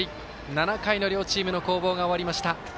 ７回の両チームの攻防が終わりました。